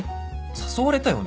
誘われたよね？